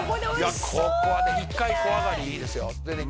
いやここはね一階小上がりいいですよでね